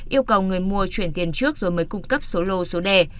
yêu cầu người mua chuyển tiền trước rồi mới cung cấp số lô số đề